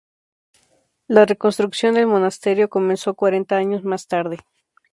La reconstrucción del monasterio comenzó cuarenta años más tarde.